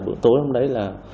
bữa tối hôm đấy